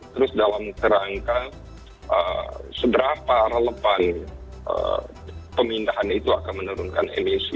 terus dalam kerangka seberapa relevan pemindahan itu akan menurunkan emisi